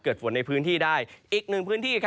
เกิดฝนในพื้นที่ได้อีกหนึ่งพื้นที่